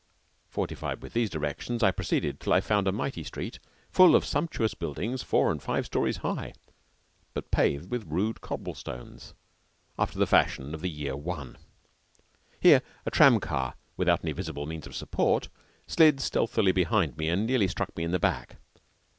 Fortified with these directions, I proceeded till I found a mighty street, full of sumptuous buildings four and five stories high, but paved with rude cobblestones, after the fashion of the year 1. Here a tram car, without any visible means of support, slid stealthily behind me and nearly struck me in the back.